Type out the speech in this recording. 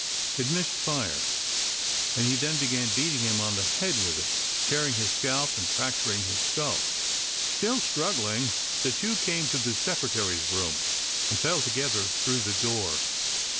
It missed fire, and he then began beating him on the head with it, tearing his scalp and fracturing his skull. Still struggling, the two came to the Secretary's room and fell together through the door.